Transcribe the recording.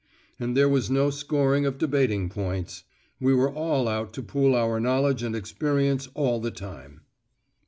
And there was no scoring of debating points! We were all out to pool our knowledge and experience all the time.